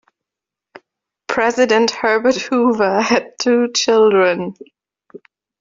President Herbert Hoover had two children.